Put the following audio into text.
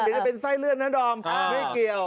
เดี๋ยวจะเป็นไส้เลือดนะดอมไม่เกี่ยว